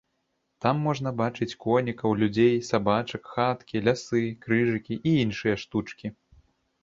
Там можна бачыць конікаў, людзей, сабачак, хаткі, лясы, крыжыкі і іншыя штучкі.